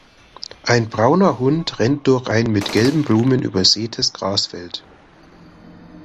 Ein brauner Hund rennt durch ein mit gelben Blumen übersätes Grasfeld